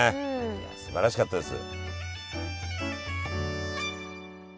いやすばらしかったです。